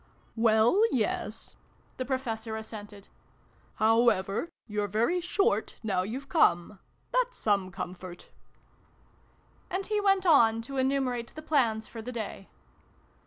" Well, yes," the Professor assented. " How ever, you're very short now you're come : that's some comfort." And he went on to enumerate the plans for the day.